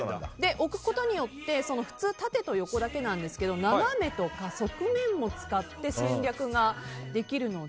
置くことによって普通、縦と横だけなんですが斜めとか側面を使って戦略ができるので